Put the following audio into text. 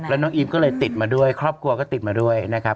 แล้วน้องอีฟก็เลยติดมาด้วยครอบครัวก็ติดมาด้วยนะครับ